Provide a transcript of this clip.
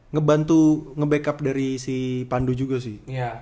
ngebantu ngebackup dari si pandu juga sih